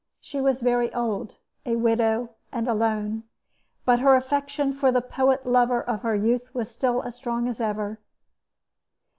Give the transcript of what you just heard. She was very old, a widow, and alone; but her affection for the poet lover of her youth was still as strong as ever.